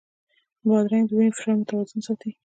بادرنګ د وینې فشار متوازن ساتي.